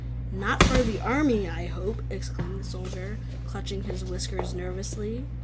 "Not for the army, I hope," exclaimed the Soldier, clutching his whiskers nervously.